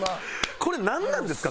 これなんなんですか？